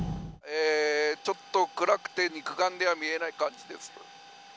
ちょっと暗くて肉眼では見えない感じです。